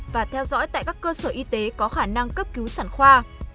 và theo dõi tại các cơ sở y tế có khả năng cấp cứu sản khoa